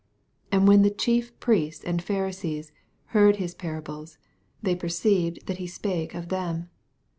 45 And when the Chief Priests and Pharisees had heard his parables, they perceived that he spake of them.